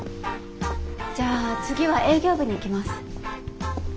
じゃあ次は営業部に行きます。